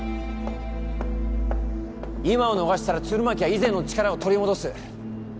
今を逃したら鶴巻は以前の力を取り戻す。